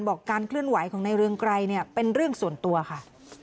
การเคลื่อนไหวของในเรืองไกรเนี่ยเป็นเรื่องส่วนตัวค่ะ